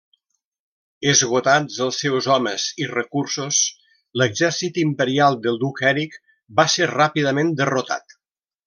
Esgotats els seus homes i recursos, l'exèrcit imperial del duc Eric va ser ràpidament derrotat.